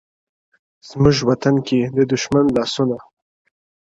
زموږ وطن كي د دښـــــمــــن لاســـــونــه!!